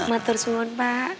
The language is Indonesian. matur semua pak